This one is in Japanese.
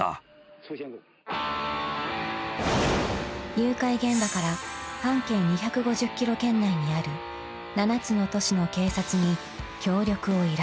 ［誘拐現場から半径２５０ｋｍ圏内にある７つの都市の警察に協力を依頼］